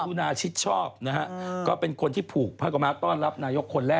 คุณาชิดชอบนะฮะก็เป็นคนที่ผูกผ้ากม้าต้อนรับนายกคนแรก